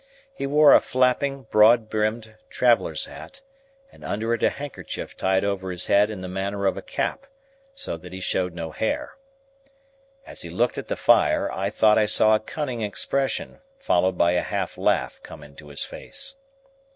He wore a flapping broad brimmed traveller's hat, and under it a handkerchief tied over his head in the manner of a cap: so that he showed no hair. As he looked at the fire, I thought I saw a cunning expression, followed by a half laugh, come into his face.